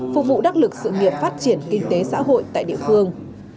phục vụ đắc lực sự nghiệp phát triển kinh tế xã hội tại địa phương